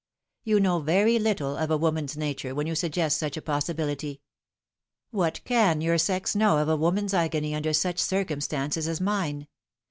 You know very little of a woman's nature when you suggest such a possibility. What can your sex know of a woman's agony under such circumstances as mine ?